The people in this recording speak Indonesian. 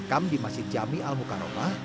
makam di masjid jami' al mukarramah